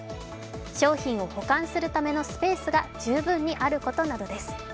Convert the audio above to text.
商品を保管するためのスペースが十分にあることなどです。